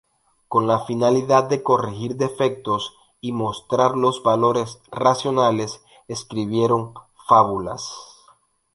Con la finalidad de corregir defectos y mostrar los valores racionales, escribieron fábulas.